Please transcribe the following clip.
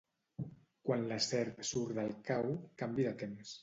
Quan la serp surt del cau, canvi de temps.